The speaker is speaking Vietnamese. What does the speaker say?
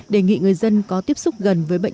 đề nghị người dân có tiếp cận phòng chống dịch